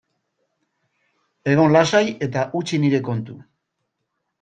Egon lasai eta utzi nire kontu.